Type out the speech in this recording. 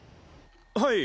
はい。